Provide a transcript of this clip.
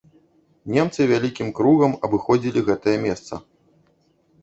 Немцы вялікім кругам абыходзілі гэтае месца.